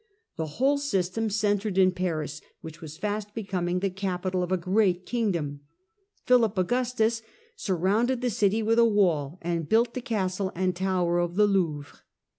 The whole system centred in Paris, which was fast becoming the capital of a great kingdom. Philip Augustus surrounded the city with a wall and built the castle and tower of the Louvre.